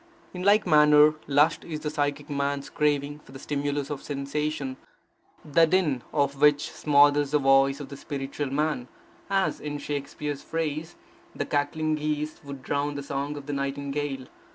In like manner, lust is the psychic man's craving for the stimulus of sensation, the din of which smothers the voice of the spiritual man, as, in Shakespeare's phrase, the cackling geese would drown the song of the nightingale.